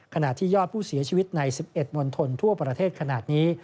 ขณะที่ยอดผู้เสียชีวิตใน๑๑มณฑลทั่วประเทศขนาดนี้